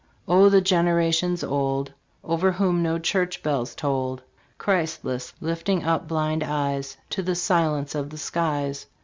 Oh, the generations old, Over whom no church bells tolled, Christless, lifting up blind eyes To the silence of the skies.